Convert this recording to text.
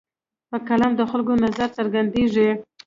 په قلم د خلکو نظر څرګندېږي.